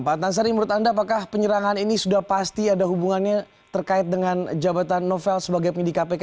pak antasari menurut anda apakah penyerangan ini sudah pasti ada hubungannya terkait dengan jabatan novel sebagai penyidik kpk